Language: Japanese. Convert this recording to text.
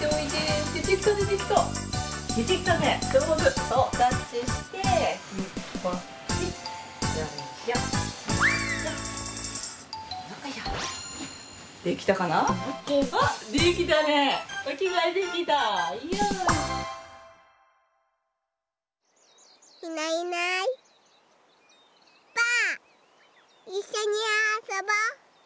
いっしょにあそぼ！